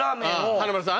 華丸さん？